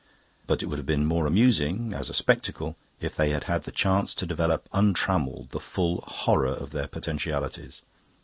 But it would have been more amusing, as a spectacle, if they had had the chance to develop, untrammelled, the full horror of their potentialities.